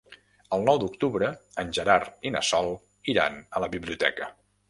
El nou d'octubre en Gerard i na Sol iran a la biblioteca.